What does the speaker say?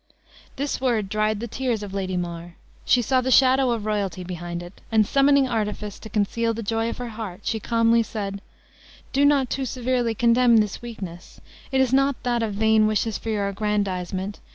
This word dried the tears of Lady Mar. She saw the shadow of royalty behind it; and summoning artifice, to conceal the joy of her heart, she calmly said, "Do not too severely condemn this weakness; it is not that of vain wishes for your aggrandizement.